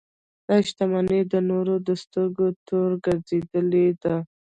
دا شتمنۍ د نورو د سترګو تور ګرځېدلې ده.